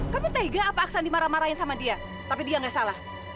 kamu tega apa aksan dimarah marahin sama dia tapi dia gak salah